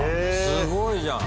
すごいじゃん！